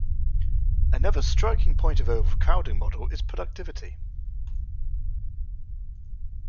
Another striking point of overcrowding model is productivity.